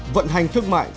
vận hành thương mại